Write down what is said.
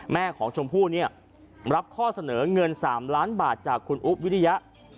แม่ของชมพู่เนี่ยรับข้อเสนอเงิน๓ล้านบาทจากคุณอุ๊บวิริยะ